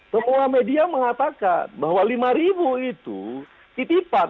semua media mengatakan bahwa lima ribu itu titipan